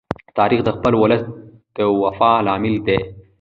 تاریخ د خپل ولس د وفا لامل دی.